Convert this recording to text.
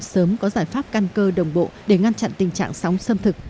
tỉnh quảng nam có giải pháp căn cơ đồng bộ để ngăn chặn tình trạng sóng sâm thực